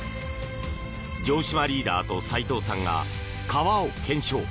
城島リーダーと斎藤さんが、川を検証。